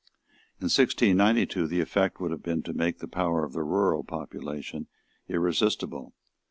In 1692 the effect would have been to make the power of the rural population irresistible.